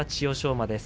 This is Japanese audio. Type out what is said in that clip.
馬です。